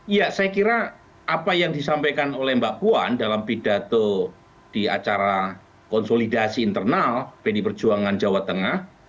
ya saya kira apa yang disampaikan oleh mbak puan dalam pidato di acara konsolidasi internal pdi perjuangan jawa tengah